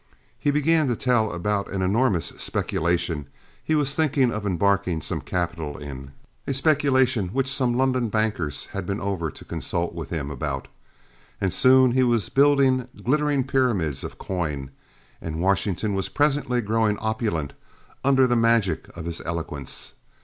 He began to tell about an enormous speculation he was thinking of embarking some capital in a speculation which some London bankers had been over to consult with him about and soon he was building glittering pyramids of coin, and Washington was presently growing opulent under the magic of his eloquence.